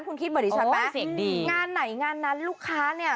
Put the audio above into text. คุณคิดเหมือนดิฉันไหมงานไหนงานนั้นลูกค้าเนี่ย